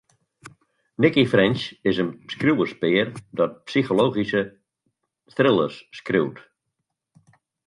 Nicci French is in skriuwerspear dat psychologyske thrillers skriuwt.